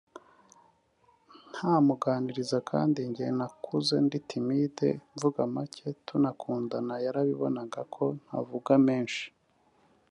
ntamuganiriza kandi njye nakuze ndi timide (mvuga macye) tunakundana yarabibonaga ko ntavugaga menshi